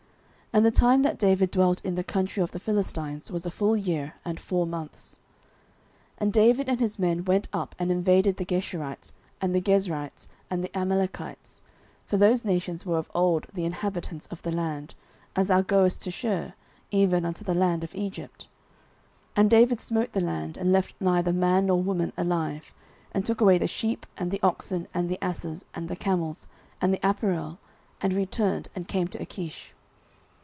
09:027:007 And the time that David dwelt in the country of the Philistines was a full year and four months. 09:027:008 And David and his men went up, and invaded the Geshurites, and the Gezrites, and the Amalekites: for those nations were of old the inhabitants of the land, as thou goest to Shur, even unto the land of Egypt. 09:027:009 And David smote the land, and left neither man nor woman alive, and took away the sheep, and the oxen, and the asses, and the camels, and the apparel, and returned, and came to Achish.